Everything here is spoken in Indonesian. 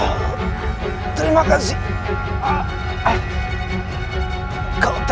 kau tidak akan tetap pato